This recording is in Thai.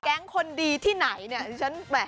คนดีที่ไหนเนี่ย